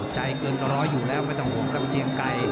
ใจเกินร้อยอยู่แล้วไม่ต้องห่วงครับเกียงไกร